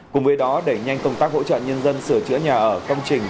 cùng với đó đẩy nhanh công tác hỗ trợ nhân dân sửa chữa nhà ở công trình